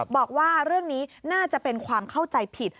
บอกว่าเรื่องนี้น่าจะเป็นความเข้าใจผิด